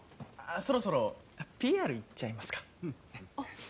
そろそろＰＲいっちゃいますかあっ